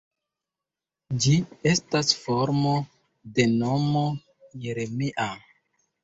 Ĝi estas formo de nomo Jeremia.